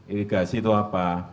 irigasi itu apa